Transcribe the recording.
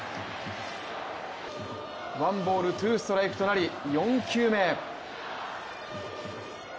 １ボール、２ストライクとなり、４球目。